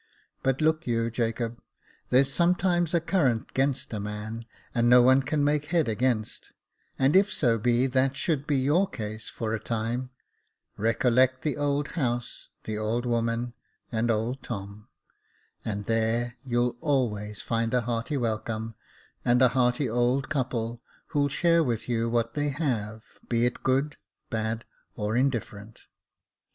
But look you, Jacob, there's some times a current 'gainst a man, that no one can make head against; and if so be that should be your case for a time, recollect the old house, the old woman, and old Tom, and there you'll always find a hearty welcome, and a hearty old couple, who'll share with you what they have, be it good, bad, or indifferent.